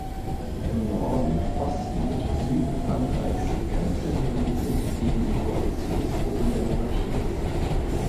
Im Norden, Osten und Süden Frankreichs kämpfte die Republik gegen die Koalitionstruppen der Monarchien.